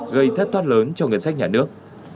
gây thất thoát lớn cho ngân sách nhà nước